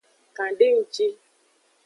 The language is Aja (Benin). Kan de nji.